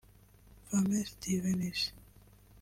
Femmes de Venus’